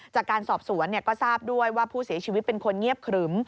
จากการสอบสวนก็ทราบด้วยว่าผู้เสียชีวิตเป็นคนเงียบขรึม